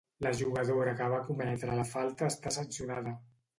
La jugadora que va cometre la falta està sancionada.